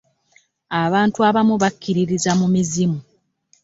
Abantu abamu bakiririza mu mizimu.